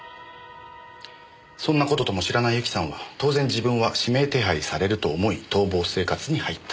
そんな事とも知らないユキさんは当然自分は指名手配されると思い逃亡生活に入った。